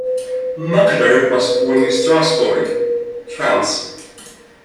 Mugler was born in Strasbourg, France.